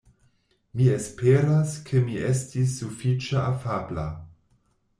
Mi esperas ke mi estis sufiĉe afabla.